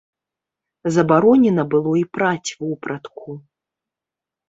Забаронена было і праць вопратку.